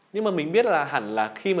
nhưng mà mình biết là hẳn là khi mà